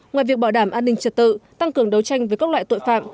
ngoài việc bảo đảm an ninh trật tự tăng cường đấu tranh với các loại tội phạm